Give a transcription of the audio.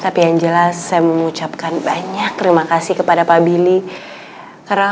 tapi angela saya mengucapkan banyak terima kasih kepada pak billy karena